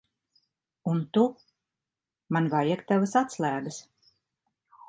Un tu. Man vajag tavas atslēgas.